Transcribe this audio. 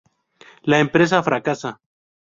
La empresa fracasa.